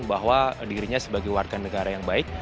bahwa dirinya sebagai warga negara yang baik